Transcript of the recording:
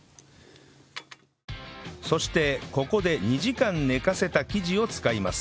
そしてここで２時間寝かせた生地を使います